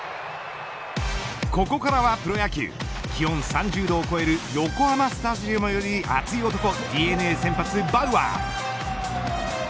ここからはプロ野球気温３０度を超える横浜スタジアムより熱い男ＤｅＮＡ先発バウアー。